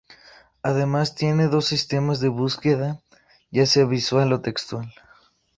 Además, tiene dos sistemas de búsqueda, ya sea visual o textual.